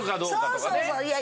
そうそうそう！